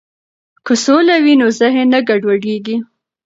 که سوله وي نو ذهن نه ګډوډیږي.